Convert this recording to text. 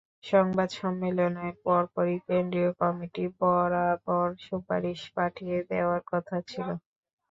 সংবাদ সম্মেলনের পরপরই কেন্দ্রীয় কমিটি বরাবর সুপারিশ পাঠিয়ে দেওয়ার কথা ছিল।